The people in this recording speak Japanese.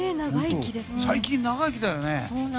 最近、長生きだよね。